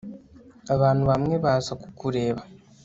abantu bamwe baza kukureba